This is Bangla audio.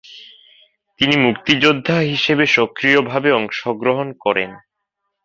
তিনি মুক্তিযোদ্ধা হিসেবে সক্রিয়ভাবে অংশগ্রহণ করেন।